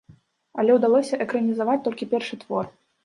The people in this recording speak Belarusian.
Але ўдалося экранізаваць толькі першы твор.